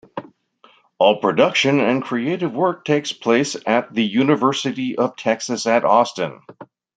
All production and creative work takes place at The University of Texas at Austin.